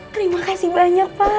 terima kasih banyak pak